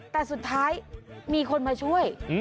แต่สุดท้ายมีคนมาช่วย